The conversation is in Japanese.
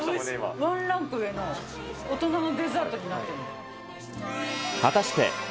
ワンランク上の大人のデザートになってる。